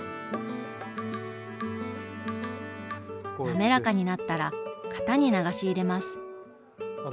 なめらかになったら型に流し入れます。